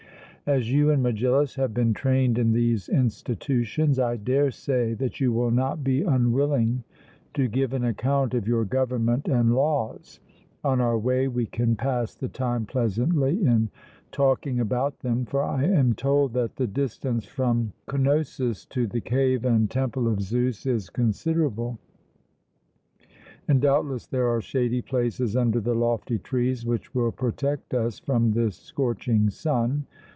As you and Megillus have been trained in these institutions, I dare say that you will not be unwilling to give an account of your government and laws; on our way we can pass the time pleasantly in talking about them, for I am told that the distance from Cnosus to the cave and temple of Zeus is considerable; and doubtless there are shady places under the lofty trees, which will protect us from this scorching sun.